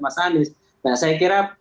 mas adi saya kira